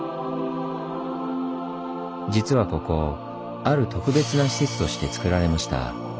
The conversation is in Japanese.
実はここある特別な施設としてつくられました。